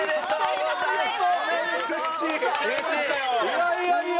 いやいやいや。